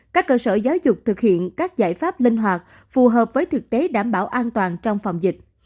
các cơ sở giáo dục thực hiện các giải pháp linh hoạt phù hợp với thực tế đảm bảo an toàn trong phòng dịch